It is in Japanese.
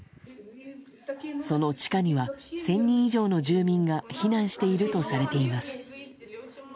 その地下には１０００人以上の住民が避難しているとされています。